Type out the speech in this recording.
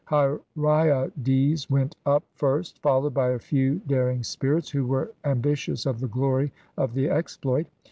Hyraeades went up first, followed by a few daring spirits who were ambi tious of the glory of the exploit.